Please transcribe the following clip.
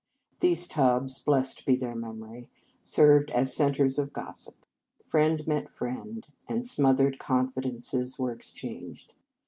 These tubs blessed be their memory ! served as centres of gos sip. Friend met friend, and smothered confidences were exchanged.